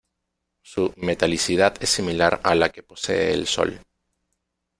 Su metalicidad es similar a la que posee el Sol.